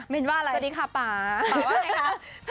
เมนต์ว่าอะไรสวัสดีค่ะป๊าป๊าว่าไงคะ